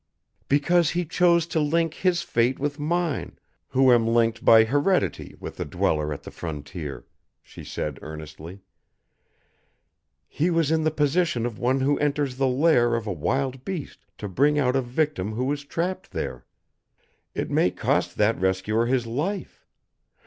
"Because he chose to link his fate with mine, who am linked by heredity with the Dweller at the Frontier," she said earnestly. "He was in the position of one who enters the lair of a wild beast to bring out a victim who is trapped there. It may cost that rescuer his life.